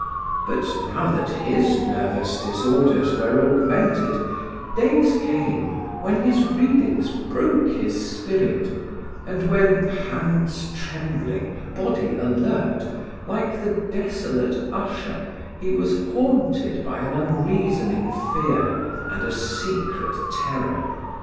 But now that his nervous disorders were augmented, days came when his readings broke his spirit and when, hands trembling, body alert, like the desolate Usher he was haunted by an unreasoning fear and a secret terror.